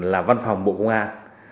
là văn phòng bộ công an